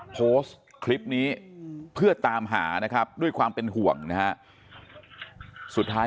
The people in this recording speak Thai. โพสต์คลิปนี้เพื่อตามหานะครับด้วยความเป็นห่วงนะฮะสุดท้าย